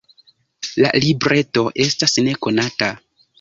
La libreto estas nekonata.